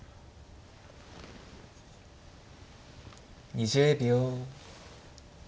２０秒。